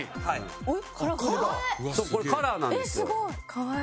これカラーなんですよ。